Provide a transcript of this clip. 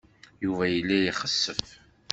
Yuba yella ixessef.